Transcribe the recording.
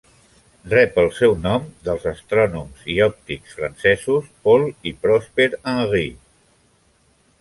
Rep el seu nom dels astrònoms i òptics francesos, Paul i Prosper Henry.